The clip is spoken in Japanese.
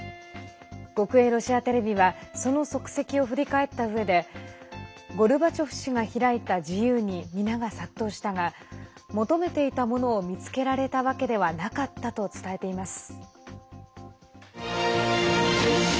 国営ロシアテレビはその足跡を振り返ったうえでゴルバチョフ氏が開いた自由に皆が殺到したが求めていたものを見つけられたわけではなかったと伝えています。